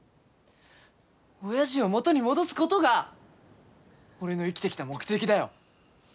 おやじを元に戻すごどが俺の生きてきた目的だよ。